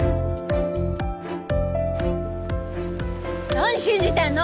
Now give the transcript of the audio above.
何信じてんの！